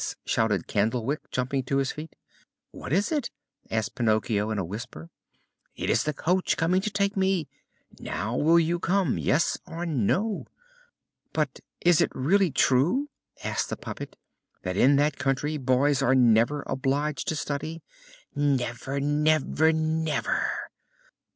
shouted Candlewick, jumping to his feet. "What is it?" asked Pinocchio in a whisper. "It is the coach coming to take me. Now will you come, yes or no?" "But is it really true," asked the puppet, "that in that country boys are never obliged to study?" "Never, never, never!"